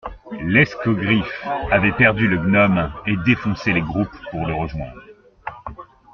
L'escogriffe avait perdu le gnome, et défonçait les groupes pour le rejoindre.